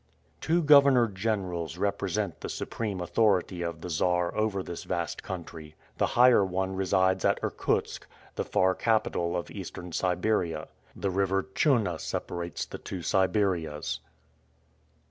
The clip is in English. Two governor generals represent the supreme authority of the Czar over this vast country. The higher one resides at Irkutsk, the far capital of Eastern Siberia. The River Tchouna separates the two Siberias.